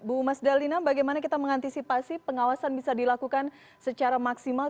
bu mas dalina bagaimana kita mengantisipasi pengawasan bisa dilakukan secara maksimal